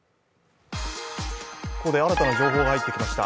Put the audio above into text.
ここで新たな情報が入ってきました。